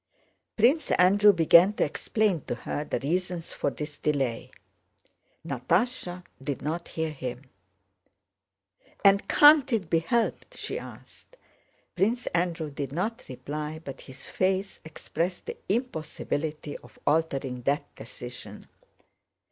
Prince Andrew began to explain to her the reasons for this delay. Natásha did not hear him. "And can't it be helped?" she asked. Prince Andrew did not reply, but his face expressed the impossibility of altering that decision.